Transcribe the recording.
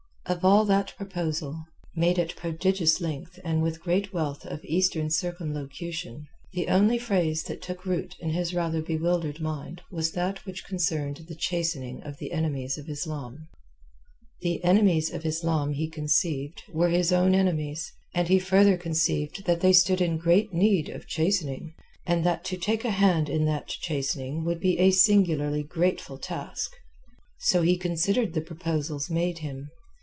Of all that proposal, made at prodigious length and with great wealth of Eastern circumlocution, the only phrase that took root in his rather bewildered mind was that which concerned the chastening of the enemies of Islam. The enemies of Islam he conceived, were his own enemies; and he further conceived that they stood in great need of chastening, and that to take a hand in that chastening would be a singularly grateful task. So he considered the proposals made him.